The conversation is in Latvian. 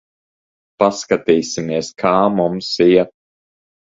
Paskatīsimies, kā mums iet.